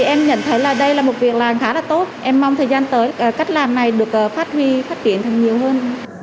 em nhận thấy là đây là một việc làm khá là tốt em mong thời gian tới cách làm này được phát huy phát triển thành nhiều hơn